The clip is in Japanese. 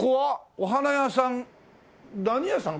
お花屋さん何屋さん？